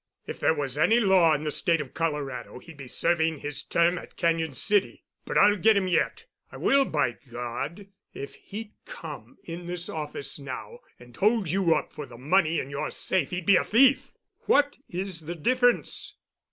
If there was any law in the state of Colorado, he'd be serving his term at Cañon City. But I'll get him yet! I will, by God! If he'd come in this office now and hold you up for the money in your safe he'd be a thief. What is the difference?"